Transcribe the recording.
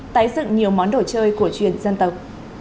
tái dựng nhiều món đồ chơi cổ truyền dân tộc